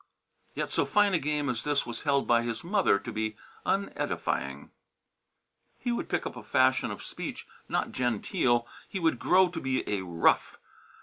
Yet so fine a game as this was held by his mother to be unedifying. He would pick up a fashion of speech not genteel; he would grow to be a "rough."